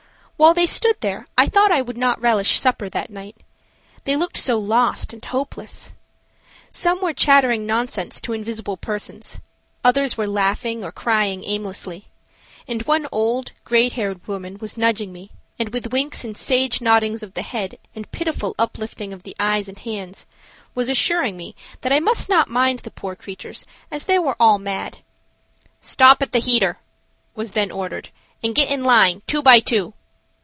While they stood there I thought I would not relish supper that night. They looked so lost and hopeless. Some were chattering nonsense to invisible persons, others were laughing or crying aimlessly, and one old, gray haired woman was nudging me, and, with winks and sage noddings of the head and pitiful uplifting of the eyes and hands, was assuring me that I must not mind the poor creatures, as they were all mad. "Stop at the heater," was then ordered, "and get in line, two by two."